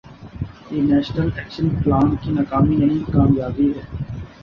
یہ national action plan کی ناکامی نہیں، کامیابی ہے۔